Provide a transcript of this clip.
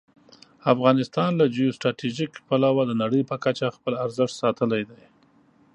افغانستان له جیو سټراټژيک پلوه د نړۍ په کچه خپل ارزښت ساتلی دی.